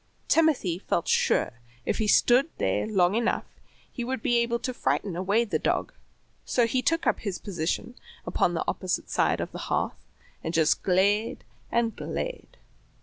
Timothy felt sure if he stood there long enough he would be able to frighten away the dog, so he took up his position upon the opposite side of the hearth, and just glared and glared.